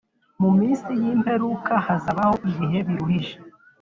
Mu minsi y imperuka hazabaho ibihe biruhije